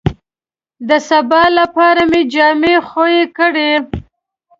د سبا لپاره مې جامې خوې کړې.